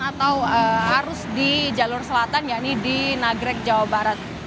atau arus di jalur selatan ya ini di nagrek jawa barat